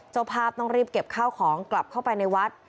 เจ้าภาพต้องรีบเก็บข้าวของกลับเข้าไปในวัด